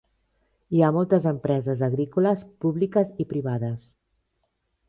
Hi ha moltes empreses agrícoles públiques i privades.